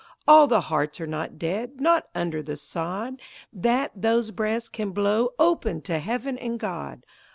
All the hearts are not dead, not under the sod, That those breaths can blow open to Heaven and God!